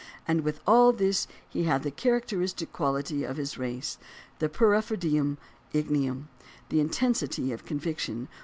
And with all this he had the characteristic quality of his race, the "per fervidum ingenium," the intensity of conviction which JOHN C.